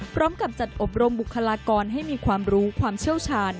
พร้อมกับจัดอบรมบุคลากรให้มีความรู้ความเชี่ยวชาญ